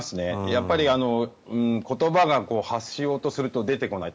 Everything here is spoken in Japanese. やっぱり言葉が発しようとすると出てこない。